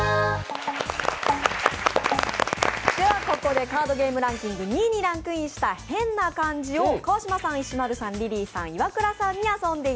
ここでカードゲームランキング２位にランクインしたへんなかんじを川島さん、石丸さん、リリーさん